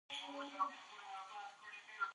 پسه د افغانستان د سیلګرۍ برخه ده.